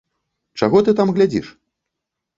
Чаго ты там глядзіш?